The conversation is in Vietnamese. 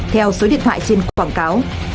theo số điện thoại trên quảng cáo